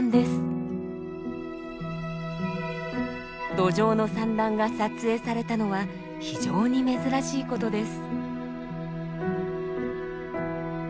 ドジョウの産卵が撮影されたのは非常に珍しい事です。